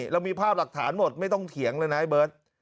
เรามีภาพหลักฐานหมดไม่ต้องเถียงเลยนะไอเบิร์ต